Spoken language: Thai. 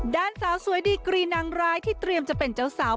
ด้านสาวสวยดีกรีนางร้ายที่เตรียมจะเป็นเจ้าสาว